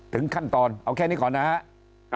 ขั้นตอนเอาแค่นี้ก่อนนะครับ